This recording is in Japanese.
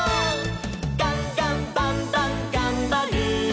「ガンガンバンバンがんばる！」